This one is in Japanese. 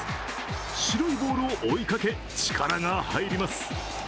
白いボールを追いかけ、力が入ります。